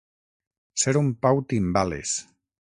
Ser un Pau Timbales.